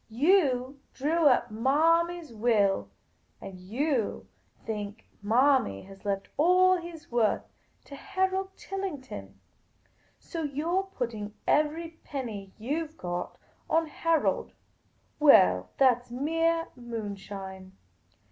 You drew up Marmy's will ; and you think Manny has left all he 's worth to Harold Tillington ; so you 're putting every peiui} you 've got on Harold. Well, that 's mere moonshine.